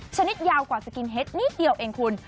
นิดยาวกว่าจะกินเฮ็ดนิดเดียวเองคุณ